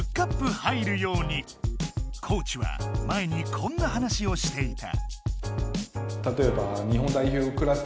コーチは前にこんな話をしていた。